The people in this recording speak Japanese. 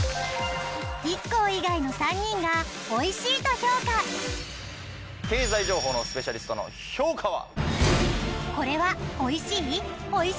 ＩＫＫＯ以外の３人がオイシいと評価経済情報のスペシャリストの評価は？